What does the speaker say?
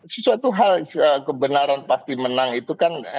sesuatu hal kebenaran pasti menang itu kan